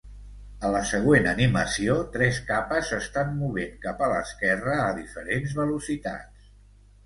A la següent animació, tres capes s'estan movent cap a l'esquerra a diferents velocitats.